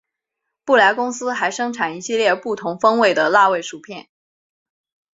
布莱公司还生产一系列不同风味的辣味薯片。